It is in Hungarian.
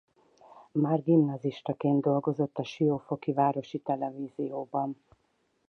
Már gimnazistaként dolgozott a siófoki városi televízióban.